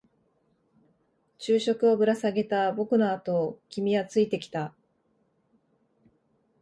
昼食をぶら下げた僕のあとを君はついてきた。